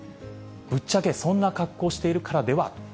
ぶっちゃけそんな格好しているからでは？